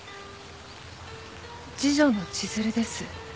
次女の千鶴です。